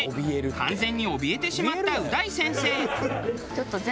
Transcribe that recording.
完全におびえてしまったう大先生。